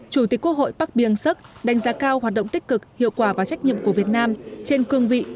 chủ tịch quốc hội park byung suk đánh giá cao hoạt động tích cực hiệu quả và trách nhiệm của việt nam trên cương vị